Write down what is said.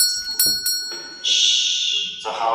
ولي زیارکښ کس د با استعداده کس په پرتله ښه ځلېږي؟